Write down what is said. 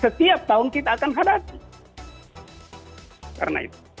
setiap tahun kita akan hadapi